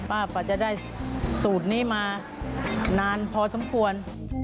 กว่าจะได้สูตรนี้มานานพอสมควร